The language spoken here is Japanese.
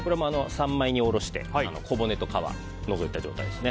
三枚に下ろして小骨と皮を除いた状態です。